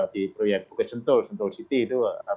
di proyek bukit sentul sentul city itu